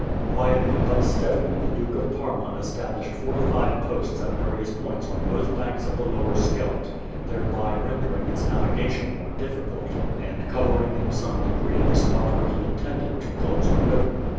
Quietly but steadily the Duke of Parma established fortified posts at various points on both banks of the Lower Scheldt, thereby rendering its navigation more difficult, and covering in some degree the spot where he intended to close the river.